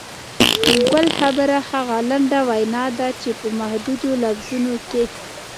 ګل خبره هغه لنډه وینا ده چې په محدودو لفظونو کې.